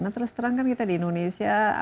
nah terus terang kan kita di indonesia